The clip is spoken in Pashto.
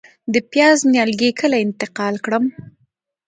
د پیاز نیالګي کله انتقال کړم؟